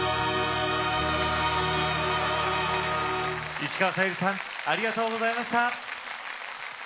石川さゆりさんありがとうございました！